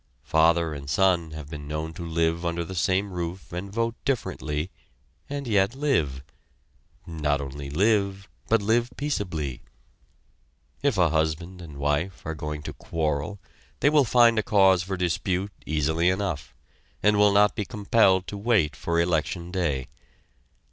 Father and son have been known to live under the same roof and vote differently, and yet live! Not only live, but live peaceably! If a husband and wife are going to quarrel they will find a cause for dispute easily enough, and will not be compelled to wait for election day.